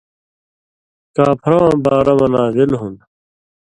کاپھرہ واں بارہ مہ نازل ہُوۡن٘د،